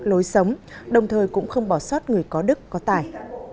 lối sống đồng thời cũng không bỏ sót người có đức có tài